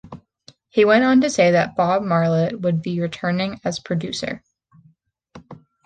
He went on to say that Bob Marlette would be returning as producer.